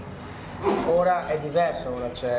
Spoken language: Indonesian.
sekarang itu berbeda